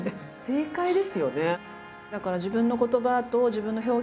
正解ですよね。